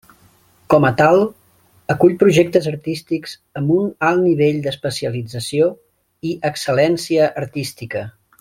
Com a tal, acull projectes artístics amb un alt nivell d'especialització i excel·lència artística.